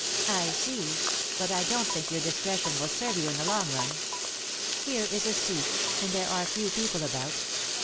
"I see. But I don't think your discretion will serve you in the long run. Here is a seat, and there are few people about.